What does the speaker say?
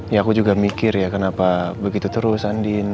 ya aku juga mikir ya kenapa begitu terus andin